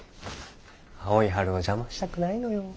青い春を邪魔したくないのよ。